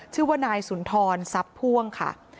ชื่อนายสุนทรซับพ่วงค่ะ